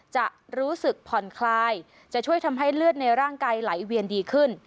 จะรู้สึกผ่อนคลายจะช่วยทำให้เลือดในร่างกายไหลเวียนดีขึ้น